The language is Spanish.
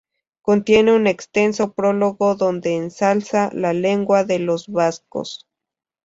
Contiene un extenso prólogo donde ensalza la lengua de los vascos.